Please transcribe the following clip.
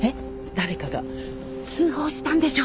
誰かが通報したんでしょ？